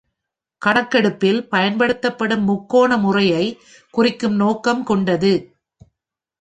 கணக்கெடுப்பில் பயன்படுத்தப்படும் முக்கோண முறையை குறிக்கும் நோக்கம் கொண்டது.